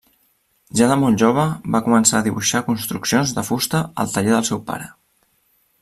Ja de molt jove va començar dibuixar construccions de fusta al taller del seu pare.